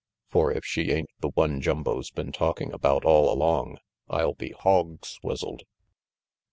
"For if she ain't the one Jumbo's been talking about all along, I'll be hog swizzled."